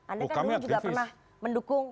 anda kan juga pernah mendukung